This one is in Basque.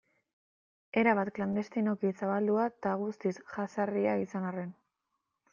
Erabat klandestinoki zabaldua eta guztiz jazarria izan arren.